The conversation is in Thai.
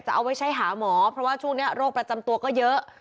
เอาไว้ใช้หาหมอเพราะว่าช่วงนี้โรคประจำตัวก็เยอะ